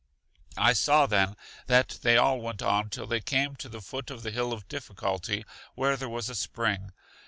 I saw then that they all went on till they came to the foot of the Hill of Difficulty, where there was a spring.